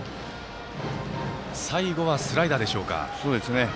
最後は、スライダーでしょうか。